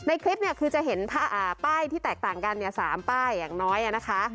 คลิปเนี่ยคือจะเห็นป้ายที่แตกต่างกัน๓ป้ายอย่างน้อยนะคะ